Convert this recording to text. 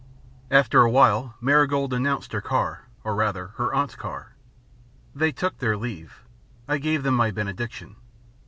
After a while, Marigold announced her car, or, rather, her aunt's car. They took their leave. I gave them my benediction.